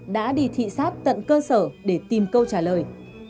đã đi thị xác tận cơ sở để tìm câu trả lời